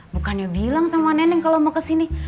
bukannya bilang sama neneng kalau mau kesini